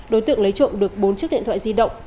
đối tượng lấy trộm được bốn chiếc điện thoại di động